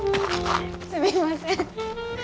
すみません。